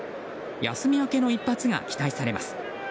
休み明けの一発が期待されます。